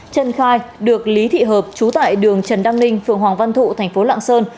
trân khai được lý thị hợp trú tại đường trần đăng ninh phường hoàng văn thụ tp lạng sơn